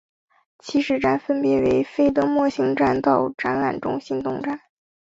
起始站分别为费德莫兴站到展览中心东站。